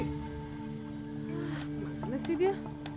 mana sih dia